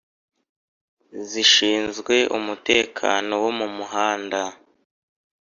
zishinzwe umutekano wo mumuhanda